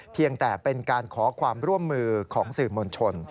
เพียงแต่เป็นการขอความร่วมมือของสื่อมวลชน